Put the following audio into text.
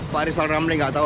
pak rizal ramli nggak tahu